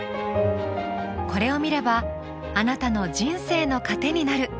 これを見ればあなたの人生の糧になる。